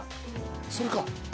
それか。